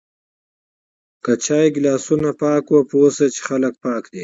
که چای ګلاسونه یی پاک و پوهه شه چی خلک پاک دی